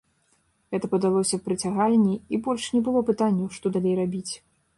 Гэта падалося прыцягальней, і больш не было пытанняў, што далей рабіць.